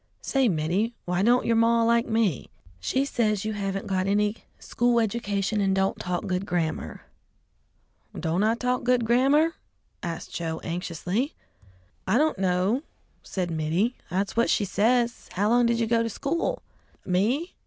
"Say, Mittie, why don't yer maw like me?" "She says you haven't got any school education and don't talk good grammar." "Don't I talk good grammar?" asked Joe anxiously. "I don't know," said Mittie; "that's what she says. How long did you go to school?" "Me?